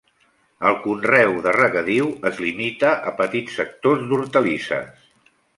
El conreu de regadiu es limita a petits sectors d'hortalisses.